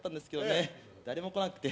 誰も来なくて。